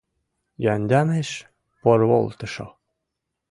Яндäмыш порволтышо.